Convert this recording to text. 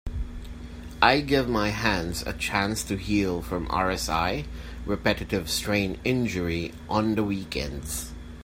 I give my hands a chance to heal from RSI (Repetitive Strain Injury) on the weekends.